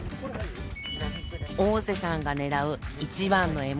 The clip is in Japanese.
オオセさんが狙う一番の獲物